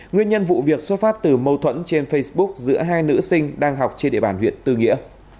nguyên nhân vụ việc xuất phát từ mâu thuẫn trên facebook giữa hai nữ sinh đang học trên địa bàn huyện tư nghĩa